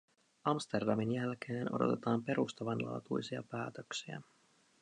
Amsterdamin jälkeen odotetaan perustavanlaatuisia päätöksiä.